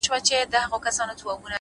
پاچا صاحبه خالي سوئ ـ له جلاله یې ـ